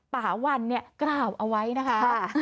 ป่าวันเนี่ยกล่าวเอาไว้นะคะ